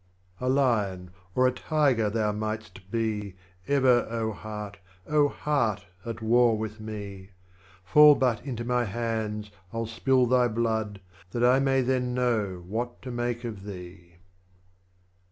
9. A Lion or a Tiger thou mightst be, Ever, Heart, Heart, at War with me ; Fall but into my hands, I'll spill thy Blood, That I may then know what to make of thee.